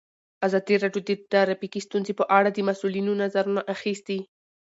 ازادي راډیو د ټرافیکي ستونزې په اړه د مسؤلینو نظرونه اخیستي.